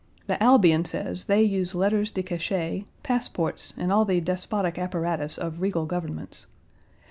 The Albion says they use lettres de cachet, passports, and all the despotic apparatus of regal governments.